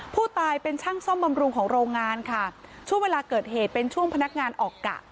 ผู้ตายเป็นช่างซ่อมบำรุงของโรงงานค่ะช่วงเวลาเกิดเหตุเป็นช่วงพนักงานออกกะ